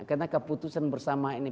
karena keputusan bersama ini